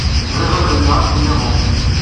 Bɣiɣ ad amneɣ akken nniḍen.